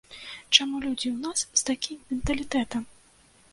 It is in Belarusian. Чаму людзі ў нас з такім менталітэтам?